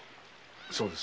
そうです。